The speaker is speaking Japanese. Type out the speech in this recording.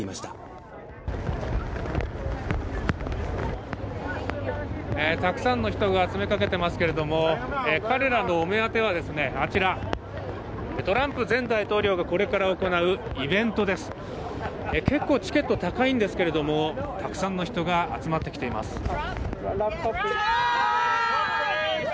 たくさんの人が詰めかけていますけれども、彼らのお目当ては、あちら、トランプ前大統領がこれから行うイベントです、結構チケット高いんですけれどたくさんの人が集まってきています。